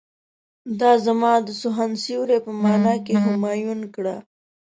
دا زما د سخن سيوری په معنی کې همایون کړه.